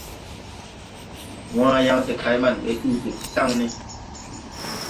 Wããyaŋ de kay man ɓɛ ɗugi ti saŋne.